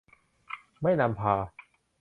ไม่นำพา